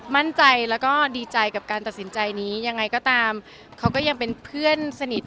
มั่นใจแล้วก็ดีใจกับการตัดสินใจนี้ยังไงก็ตามเขาก็ยังเป็นเพื่อนสนิท